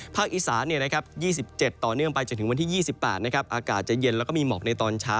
อีสาน๒๗ต่อเนื่องไปจนถึงวันที่๒๘อากาศจะเย็นแล้วก็มีหมอกในตอนเช้า